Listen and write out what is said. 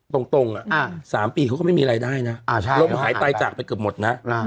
ตรงตรงอ่ะอ่าสามปีเขาก็ไม่มีรายได้น่ะอ่าใช่ลงหายไตจากไปเกือบหมดน่ะอ่า